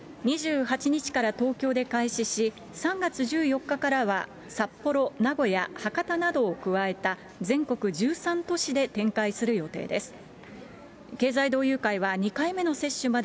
２８日から東京で開始し、３月１４日からは札幌、名古屋、博多などを加えた全国１３都市で展開する予定です。